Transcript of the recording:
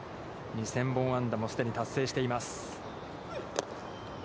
２０００本安打も既に達成しています。